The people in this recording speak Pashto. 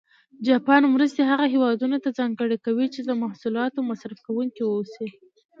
جاپان مرستې هغه هېوادونه ته ځانګړې کوي چې د محصولاتو مصرف کوونکي و اوسي.